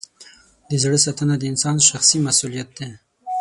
د زړه ساتنه د انسان شخصي مسؤلیت دی.